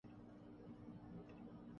کنیت Abu Khalid اور اسم منسوب سلمی اور واسطی ہے